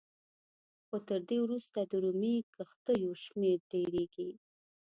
خو تر دې وروسته د رومي کښتیو شمېر ډېرېږي